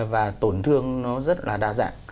và tổn thương nó rất là đa dạng